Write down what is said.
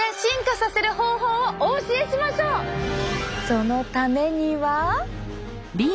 そのためには。